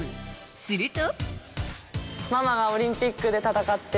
すると。